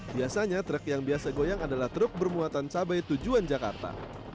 biasanya truk yang biasa goyang adalah truk bermuatan cabai tujuan jakarta